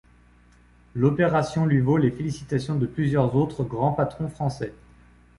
L’opération lui vaut les félicitations de plusieurs autres grands patrons français.